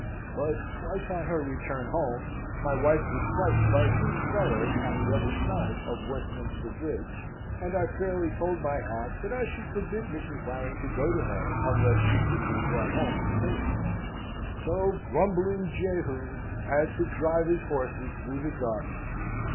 But, twice on her return home, my wife was frightened by rude fellows on the other side of Westminster Bridge; and I fairly told my aunt that I should forbid Mrs. Warrington to go to her, unless she could be brought home in safety; so grumbling Jehu had to drive his horses through the darkness.